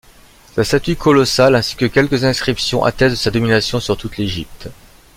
Sa statue colossale, ainsi que quelques inscriptions, attestent de sa domination sur toute l'Égypte.